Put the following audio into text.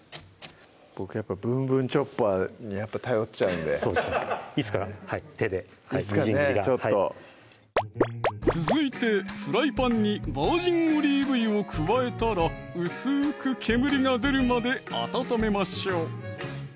僕「ぶんぶんチョッパー」に頼っちゃうんでいつか手でいつかねちょっと続いてフライパンにバージンオリーブ油を加えたら薄く煙が出るまで温めましょう